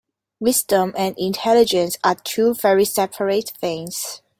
Wisdom and intelligence are two very separate things.